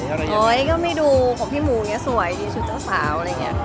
คืออย่างฉันก็ไม่ก็ไม่็ดูผมพี่มู้สวยเสื้อชุดเจ้าสาว